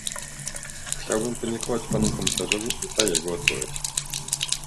Chciałbym podziękować panu komisarzowi za jego odpowiedź